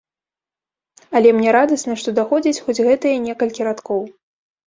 Але мне радасна, што даходзяць хоць гэтыя некалькі радкоў.